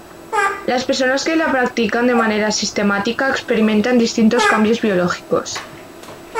Las personas que la practican de manera sistemática experimentan distintos cambios biológicos.